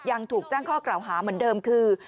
ยังถูกแจ้งข้อกล่าวหาเหมือนเดิมคือ